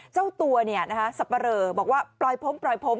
เจ้าตัวสับปะเรอบอกว่าปล่อยผมปล่อยผม